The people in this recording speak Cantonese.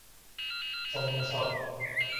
中出